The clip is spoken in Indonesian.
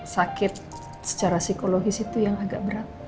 sakit secara psikologis itu yang agak berat